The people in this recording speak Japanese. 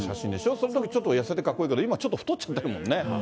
それはちょっと痩せてかっこいいけど、今ちょっと、太っちゃってるもんね。